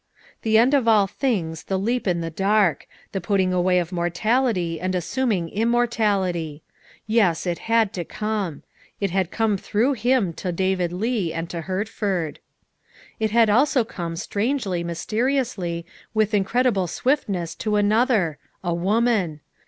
The end of all things, the leap in the dark; the put ting away of mortality and assuming immortality. Yes, it had to come. It had come through him to David Leigh and to Hertford. It had also come, strangely, mysteriously, with in credible swiftness to another a woman.